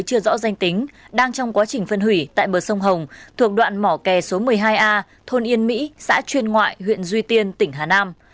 các đối tượng đều chưa rõ danh tính đang trong quá trình phân hủy tại bờ sông hồng thuộc đoạn mỏ kè số một mươi hai a thôn yên mỹ xã chuyên ngoại huyện duy tiên tỉnh hà nam